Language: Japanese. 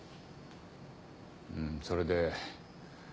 うんそれで。